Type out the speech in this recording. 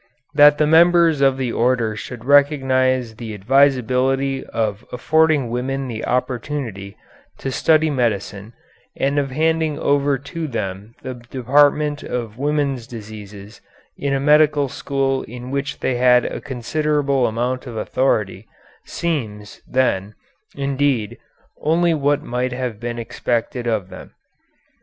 That the members of the order should recognize the advisability of affording women the opportunity to study medicine, and of handing over to them the department of women's diseases in a medical school in which they had a considerable amount of authority, seems, then, indeed, only what might have been expected of them.